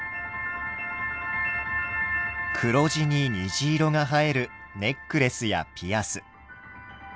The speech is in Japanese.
黒地に虹色が映えるネックレスやピアス。